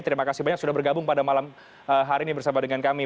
terima kasih banyak sudah bergabung pada malam hari ini bersama dengan kami